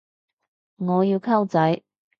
我要溝仔